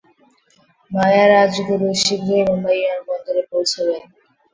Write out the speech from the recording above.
মায়া রাজগুরু শীঘ্রই মুম্বাই বিমানবন্দরে পৌঁছাবেন।